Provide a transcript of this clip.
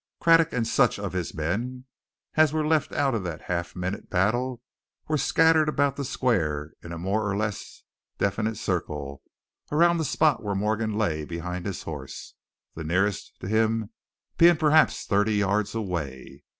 Craddock and such of his men as were left out of that half minute battle were scattered about the square in a more or less definite circle around the spot where Morgan lay behind his horse, the nearest to him being perhaps thirty yards away.